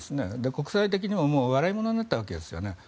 国際的にも笑いものになったわけですよね。